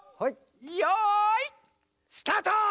よいスタート！